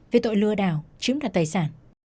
vì tội lừa đảo chiếm đoạt tài sản